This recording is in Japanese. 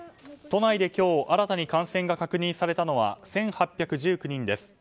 都内で今日新たに感染が確認されたのは１８１９人です。